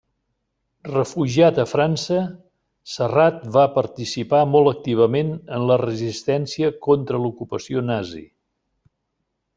Refugiat a França, Serrat va participar molt activament en la resistència contra l'ocupació nazi.